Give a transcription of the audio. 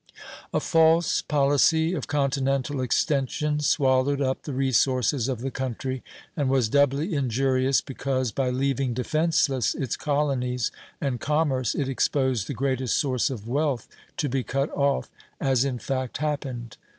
A false policy of continental extension swallowed up the resources of the country, and was doubly injurious because, by leaving defenceless its colonies and commerce, it exposed the greatest source of wealth to be cut off, as in fact happened.